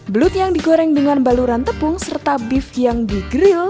belut yang digoreng dengan baluran tepung serta beef yang di grill